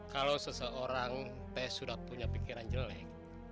kalau seseorang tes sudah punya pikiran jelek